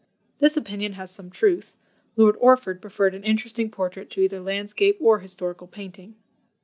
This opinion has some truth; Lord Orford preferred an interesting portrait to either landscape or historical painting.